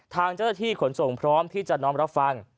ทางเจ้าหน้าที่ขนส่งพร้อมที่จะน้อมรับฟัง